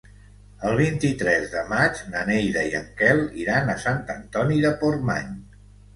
El vint-i-tres de maig na Neida i en Quel iran a Sant Antoni de Portmany.